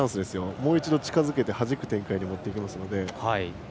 もう一度、近づけてはじく展開に持っていけるので。